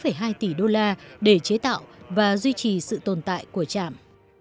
người ta đã chi bốn hai tỷ đô la để chế tạo và duy trì sự tồn tại của chạm